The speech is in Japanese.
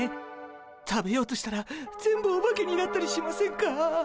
食べようとしたら全部オバケになったりしませんか？